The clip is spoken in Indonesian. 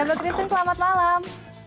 ibu christine selamat malam